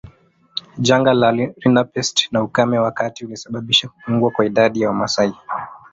Janga la rinderpest na ukame wakati ulisababisha kupungua kwa idadi ya Wamasai